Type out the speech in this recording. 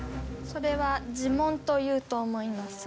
それは地紋というと思います。